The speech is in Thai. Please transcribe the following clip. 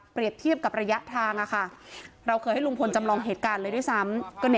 เทียบกับระยะทางเราเคยให้ลุงพลจำลองเหตุการณ์เลยด้วยซ้ำ